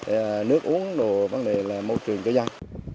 và vấn đề là môi trường cho dân